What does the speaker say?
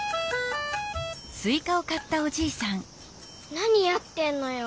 何やってんのよ。